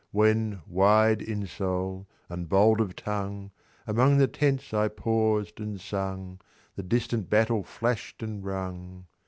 "When, wide in soul, and bold of tongue, Among the tents I paused and sung, The distant battle flash'd and rung.